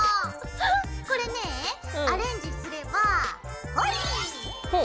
これねアレンジすればホイッ！